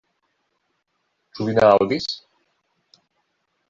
Ĉu vi ne aŭdis?